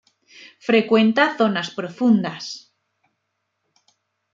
Frecuenta zonas profundas.